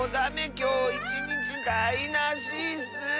きょういちにちだいなしッス！